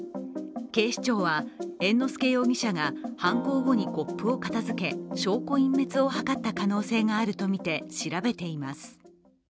警視庁は猿之助容疑者が犯行後にコップを片付け証拠隠滅を図った可能性があるとみて調べています。